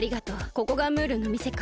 ここがムールのみせか。